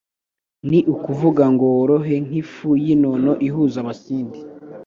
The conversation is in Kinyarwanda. Ni ukuvuga ngo worohe nk'ifu y'inono ihuza Abasindi